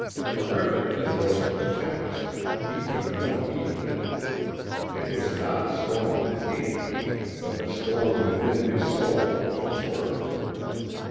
Terrific as was the tempest, he took no heed of it. It was not the storm of Nature, but the storm within his soul which absorbed him.